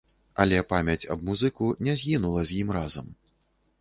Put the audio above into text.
Але памяць аб музыку не згінула з ім разам.